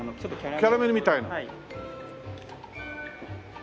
キャラメルみたいな。